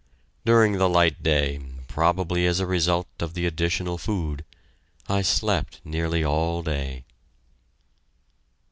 During the light day, probably as a result of the additional food, I slept nearly all day.